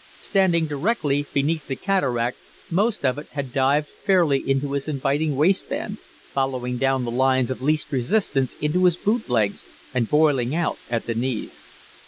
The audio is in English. Standing directly beneath the cataract, most of it had dived fairly into his inviting waistband, following down the lines of least resistance into his boot legs and boiling out at the knees.